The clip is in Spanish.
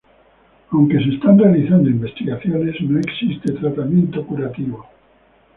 Aunque se están realizando investigaciones, no existe tratamiento curativo.